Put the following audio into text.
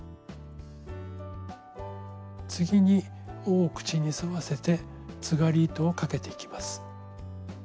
次に緒を口に沿わせてつがり糸をかけていきます。